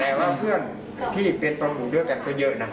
แต่ว่าเพื่อนที่เป็นแฟนหนุ่มด้วยกันก็เยอะนะ